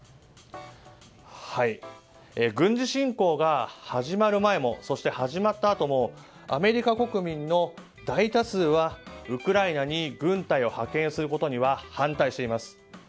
軍事侵攻が始まる前もそして始まったあともアメリカ国民の大多数はウクライナに軍隊を派遣することには反対しています。